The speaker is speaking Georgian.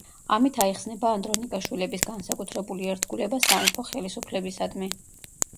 ამით აიხსნება ანდრონიკაშვილების განსაკუთრებული ერთგულება სამეფო ხელისუფლებისადმი.